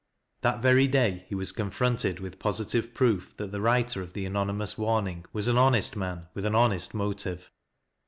That very day he was confronted mth positive proof that the writer of the anonymous warning was an honest man, with an honest motive.